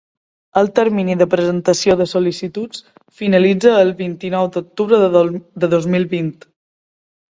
El termini de presentació de sol·licituds finalitza el vint-i-nou d'octubre del dos mil vint.